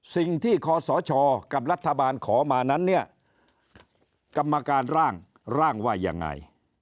คศกับรัฐบาลขอมานั้นเนี่ยกรรมการร่างร่างว่ายังไง